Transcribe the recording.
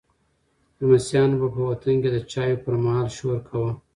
لمسیانو به په وطن کې د چایو پر مهال شور کاوه.